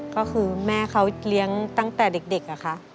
ก็คือแม่เขาเลี้ยงตั้งแต่เด็กอะค่ะ